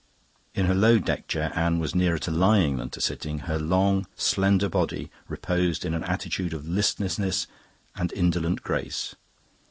In her low deck chair Anne was nearer to lying than to sitting. Her long, slender body reposed in an attitude of listless and indolent grace.